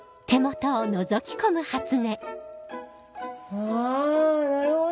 あなるほど！